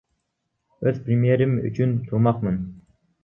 Өз премьерим үчүн турмакмын.